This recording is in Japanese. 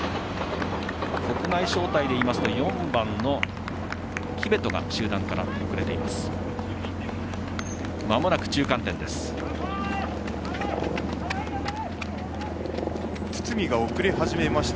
国内招待でいいますと４番のキベトが堤が遅れ始めました。